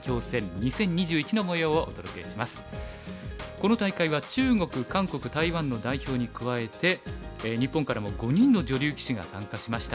この大会は中国韓国台湾の代表に加えて日本からも５人の女流棋士が参加しました。